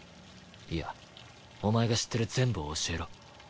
いやお前が知ってる全部を教えろ。